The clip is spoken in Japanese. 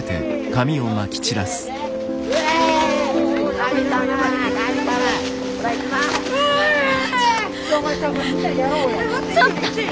ちょっと！